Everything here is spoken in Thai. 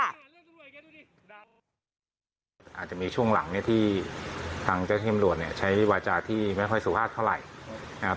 อาจจะมีช่วงหลังเนี่ยที่ทางเจ้าที่ตำรวจเนี่ยใช้วาจาที่ไม่ค่อยสุภาพเท่าไหร่นะครับ